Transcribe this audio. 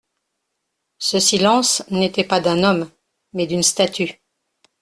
Ce silence n'était pas d'un homme, mais d'une statue.